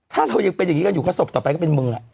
ถ้าเรายังเป็นอย่างนี้กันอยู่ก็ศพต่อไปก็เป็นมึง